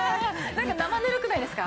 なんか生ぬるくないですか？